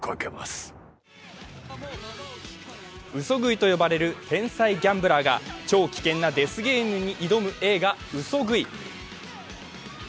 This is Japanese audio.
嘘喰いと呼ばれる天才ギャンブラーが超危険なデスゲームに挑む映画「嘘喰い」。